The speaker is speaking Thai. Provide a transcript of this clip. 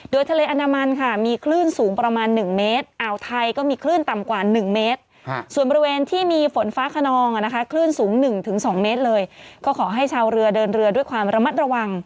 โดยทะเลอันดามันค่ะมีคลื่นสูงประมาณ๑เมตร